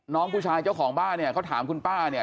น้องผู้ชายเจ้าของบ้านเนี่ยเขาถามคุณป้าเนี่ย